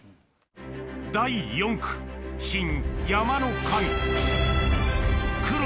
第４区新山の神